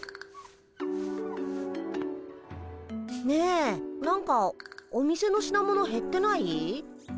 ねえなんかお店の品物へってない？